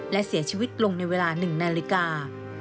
และเสียชีวิตลงในเวลา๑นาฬิกา